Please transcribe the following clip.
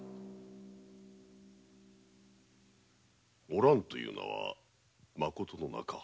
「おらん」というのはまことの名か？